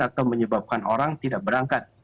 atau menyebabkan orang tidak berangkat